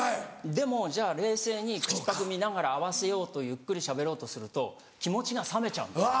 でもじゃあ冷静に口パク見ながら合わせようとゆっくりしゃべろうとすると気持ちが冷めちゃうんですよ。